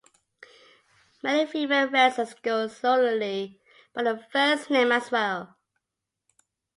Many female wrestlers go solely by their first name as well.